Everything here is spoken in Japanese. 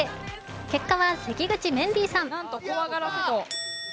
結果は関口メンディーさん。